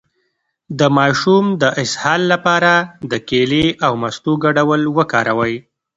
د ماشوم د اسهال لپاره د کیلې او مستو ګډول وکاروئ